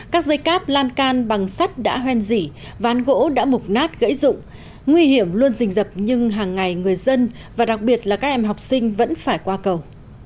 các dây cáp lan can bằng sắt đã hoen dỉ ván gỗ đã mục nát gãy rụng nguy hiểm luôn rình rập nhưng hàng ngày người dân và đặc biệt là các em học sinh vẫn phải qua cầu